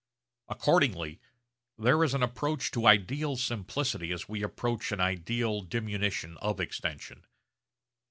Accordingly there is an approach to ideal simplicity as we approach an ideal diminution of extension.